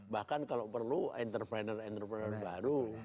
bahkan kalau perlu entrepreneur entrepreneur baru